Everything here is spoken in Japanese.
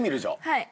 はい。